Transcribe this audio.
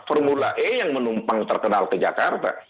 formula e yang menumpang terkenal ke jakarta